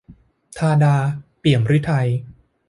ธาดา เปี่ยมฤทัย